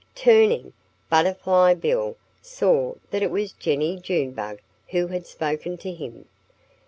Turning, Butterfly Bill saw that it was Jennie Junebug who had spoken to him.